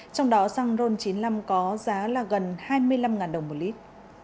trong đó xăng ron chín mươi năm có giá là gần hai mươi năm đồng một lít